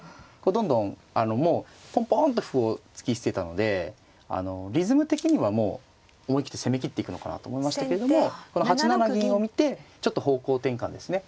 どんどんあのもうポンポンッと歩を突き捨てたのでリズム的にはもう思い切って攻めきっていくのかなと思いましたけれどもこの８七銀を見てちょっと方向転換ですね。